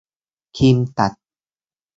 คีมตัด